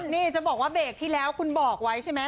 นี่จะบอกว่าเบรกที่แล้วคุณบอกไว้ใช่ไหม